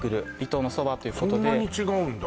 そんなに違うんだ？